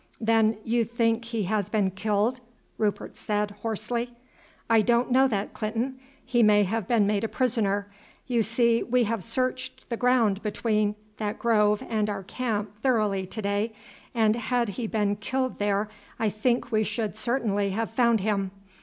"Then you think he has been killed?" Rupert said hoarsely. "I don't know that, Clinton. He may have been made a prisoner. You see, we have searched the ground between that grove and our camp thoroughly to day, and had he been killed there I think we should certainly have found him.